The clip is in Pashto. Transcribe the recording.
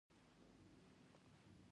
آیا د ماښام ډوډۍ وختي نه خوړل کیږي؟